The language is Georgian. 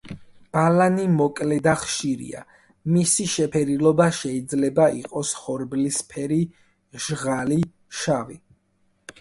ბალანი მოკლე და ხშირია, მისი შეფერილობა შეიძლება იყოს ხორბლისფერი, ჟღალი, შავი.